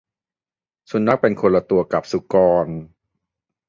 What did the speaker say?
สุนัขเป็นคนละตัวกับสุกร